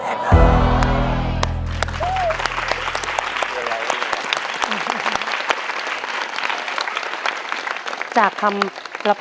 มากมายมากมากมาก